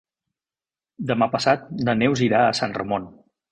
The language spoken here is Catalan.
Demà passat na Neus irà a Sant Ramon.